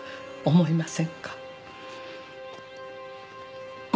思いません。